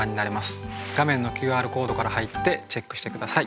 画面のＱＲコードから入ってチェックして下さい。